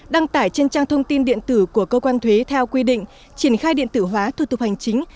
đăng tải trên trang thông tin điện tử của cơ quan thuế theo quy định triển khai điện tử hóa thủ tục hành chính